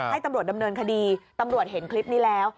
ให้ตำรวจดำเนินคดีตำรวจเห็นคลิปนี้แล้ว